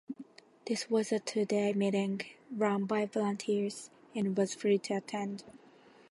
This was a two-day meeting, run by volunteers, and was free to attend.